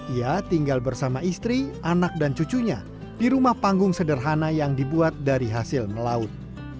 ia tinggal bersama istri anak dan cucunya di rumah panggung sederhana yang dibuat dari hasil melaut